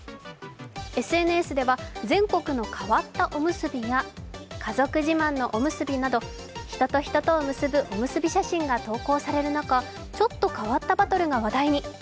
ＳＮＳでは全国の変わったおむすびや家族自慢のおむすびなど、人と人とを結ぶおむすび写真が投稿される中、ちょっと変わったバトルが話題に。